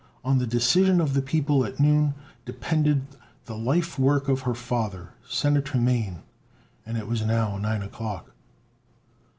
On the decision of the people at noon depended the life work of her father, Senator Mane. And it was now nine o'clock.